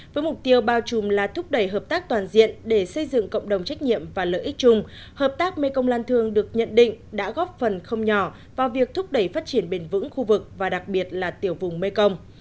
với mục tiêu bao trùm là thúc đẩy hợp tác toàn diện để xây dựng cộng đồng trách nhiệm và lợi ích chung hợp tác mekong lan thương được nhận định đã góp phần không nhỏ vào việc thúc đẩy phát triển bền vững khu vực và đặc biệt là tiểu vùng mekong